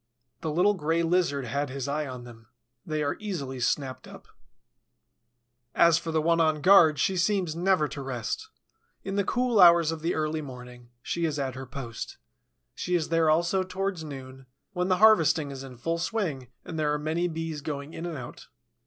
The little Gray Lizard had his eye on them, they are easily snapped up. As for the one on guard, she seems never to rest. In the cool hours of the early morning, she is at her post. She is there also towards noon, when the harvesting is in full swing and there are many Bees going in and out.